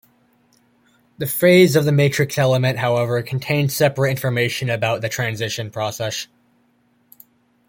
The phase of this matrix element, however, contains separate information about the transition process.